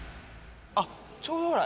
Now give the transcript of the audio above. あっちょうどほら。